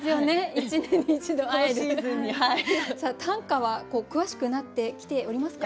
さあ短歌は詳しくなってきておりますか？